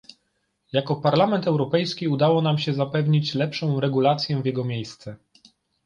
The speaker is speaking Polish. Jako Parlament Europejski, udało nam się zapewnić lepszą regulację w jego miejsce